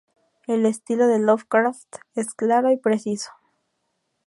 El estilo de Lovecraft es claro y preciso.